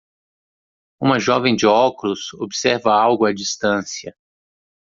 Uma jovem de óculos observa algo à distância.